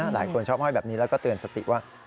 ชอบห้อยแบบนี้แล้วก็เตือนสติว่า